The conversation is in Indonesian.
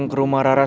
ntar lo juga tau